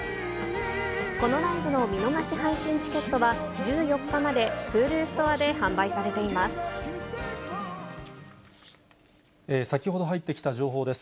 このライブの見逃し配信チケットは、１４日までＨｕｌｕストアで販売されています。